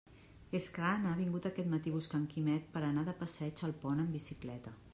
És que Anna ha vingut aquest matí buscant Quimet per a anar de passeig al pont en bicicleta.